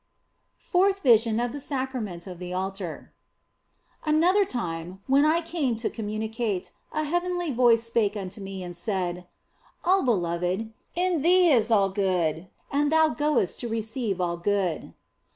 FOURTH VISION OF THE SACRAMENT OF THE ALTAR ANOTHER time, when I came to communicate, a heavenly voice spake unto me and said " Oh beloved, in thee is all good, and thou goest to receive all good."